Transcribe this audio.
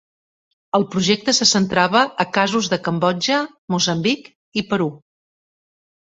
El projecte se centrava a casos de Cambodja, Moçambic i Perú.